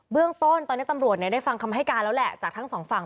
เรื่องต้นตอนนี้ตำรวจได้ฟังคำให้การแล้วแหละจากทั้งสองฝั่ง